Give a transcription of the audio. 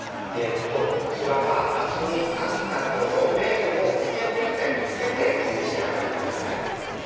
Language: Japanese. こちらは味に飽きた頃麺をすき焼きみたいにつけてお召し上がりください。